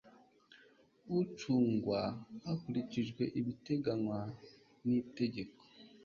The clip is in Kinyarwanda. ucungwa hakurikijwe ibiteganywa n itegeko